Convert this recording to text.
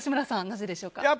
なぜでしょうか？